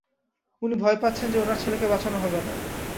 উনি ভয় পাচ্ছেন যে, ওনার ছেলেকে বাঁচানো হবে না।